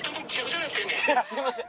すいません。